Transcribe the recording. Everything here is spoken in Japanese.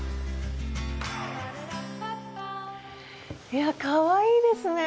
いやかわいいですね。